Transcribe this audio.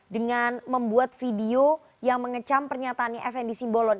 dengan membuat video yang mengecam pernyataannya fnd simbolon